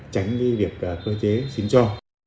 tránh việc cơ chế xin cho